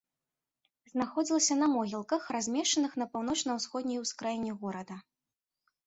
Знаходзілася на могілках, размешчаных на паўночна-ўсходняй ускраіне горада.